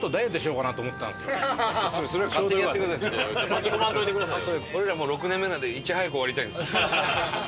巻き込まんといてくださいよ。